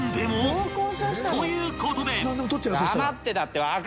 ［ということで］